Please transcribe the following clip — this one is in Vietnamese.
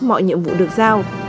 mọi nhiệm vụ được giao